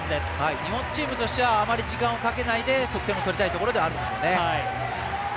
日本チームとしたらあまり時間をかけないで得点を取りたいところではあります。